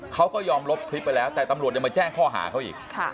เขาก็ยอมลบคลิปไปแล้วแต่ตำรวจยังมาแจ้งข้อหาเขาอีก